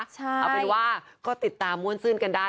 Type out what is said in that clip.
เอาเป็นว่าก็ติดตามม่วนซื่นกันได้